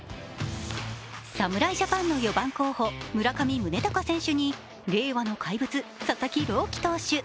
侍ジャパンの４番候補、村上宗隆選手に令和の怪物・佐々木朗希投手。